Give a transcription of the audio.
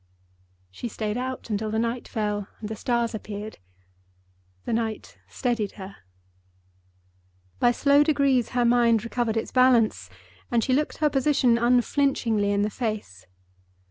She stayed out until the night fell and the stars appeared. The night steadied her. By slow degrees her mind recovered its balance and she looked her position unflinchingly in the face.